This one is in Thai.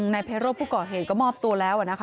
ในเพศรถภูเกาะเหตุก็มอบตัวแล้วอะนะคะ